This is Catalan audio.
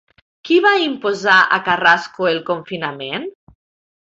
Qui va imposar a Carrasco el confinament?